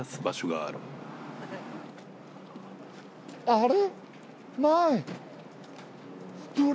あれ？